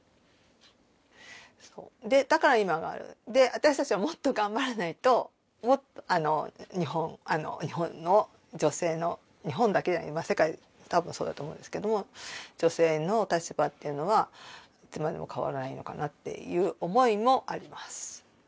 私たちはもっと頑張らないともっと日本の女性の日本だけじゃない今世界たぶんそうだと思うんですけれども女性の立場っていうのはいつまでも変わらないのかなという思いもあります。